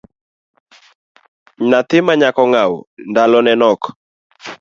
Nyathi manyako ng’aw ndalone nok